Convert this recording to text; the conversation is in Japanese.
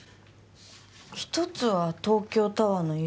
１つは東京タワーの色。